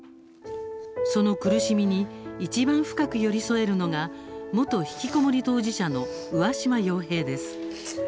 その苦しみにいちばん深く寄り添えるのが元ひきこもり当事者の上嶋陽平です。